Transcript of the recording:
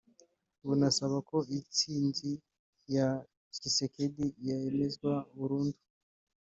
bunasaba ko intsinzi ya Tshisekedi yemezwa burundu